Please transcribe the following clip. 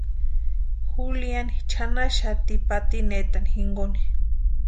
Juliani chʼanaxati patinetani jinkoni.